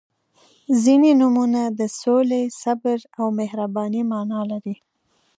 • ځینې نومونه د سولې، صبر او مهربانۍ معنا لري.